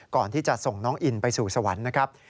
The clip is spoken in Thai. ก่อนที่จะส่งน้องอินไปสู่สวรรค์นะครับ